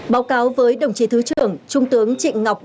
báo cáo với đồng chí thứ trưởng trung tướng trịnh ngọc